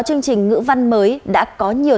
chương trình ngữ văn mới đã có nhiều